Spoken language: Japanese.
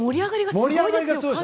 盛り上がりがすごいです！